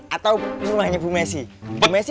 atau rumahnya bu messi